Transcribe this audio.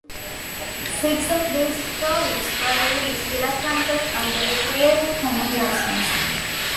Six of these stories were released electronically under a Creative Commons license.